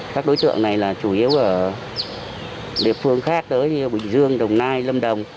các đối tượng này là chủ yếu ở địa phương khác tới như bình dương đồng nai lâm đồng